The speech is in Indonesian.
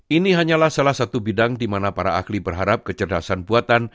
ini hanyalah salah satu bidang di mana para ahli berharap kecerdasan buatan